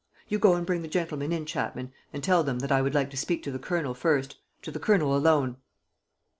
You go and bring the gentlemen in, Chapman, and tell them that I would like to speak to the Colonel first, to the Colonel alone."